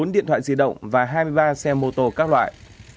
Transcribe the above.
một mươi bốn điện thoại di động và hai mươi ba xe mô tô các loại